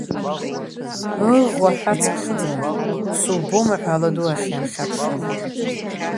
Ыӷә аҳәацыԥхьаӡа, субома ҳәа Аладу ахь иаахьаԥшуан.